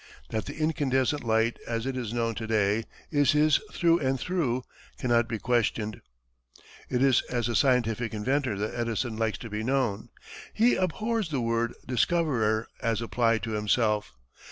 That the incandescent light, as it is known to day, is his through and through cannot be questioned. It is as a scientific inventor that Edison likes to be known. He abhors the word discoverer, as applied to himself.